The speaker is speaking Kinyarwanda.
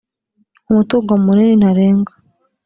umutungo munini ntarengwa